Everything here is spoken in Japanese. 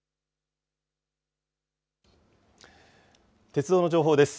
鉄道の情報です。